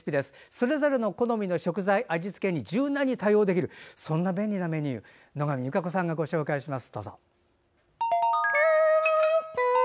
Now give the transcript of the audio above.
それぞれの好みの食材、味付けに柔軟に対応できるそんな便利なメニューを野上優佳子さんがご紹介します。